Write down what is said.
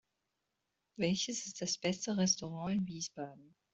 Welches ist das beste Restaurant in Wiesbaden?